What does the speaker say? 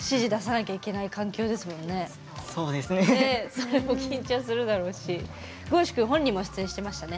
それも緊張するだろうしｇｏ‐ｓｈｕ君本人も出演してましたね。